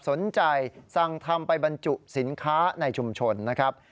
สนใจสั่งทำไปบรรจุสินค้าในชุมชนนะครับ